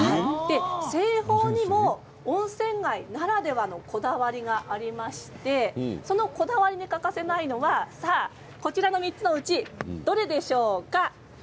製法にも温泉街ならではのこだわりがありましてそのこだわりに欠かせないのがこちらの３つのうちどれだと思いますか？